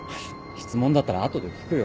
質問だったら後で聞くよ。